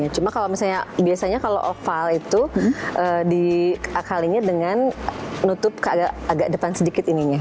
cuma kalau misalnya biasanya kalau oval itu diakalinya dengan nutup ke agak depan sedikit ini ya